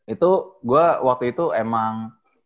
itu gue waktu itu emang